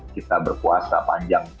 kita berpuasa panjang